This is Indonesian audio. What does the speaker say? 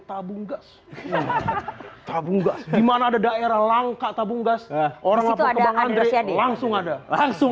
tabung gas hahaha tabung gas gimana ada daerah langka tabung gas orang orang langsung ada langsung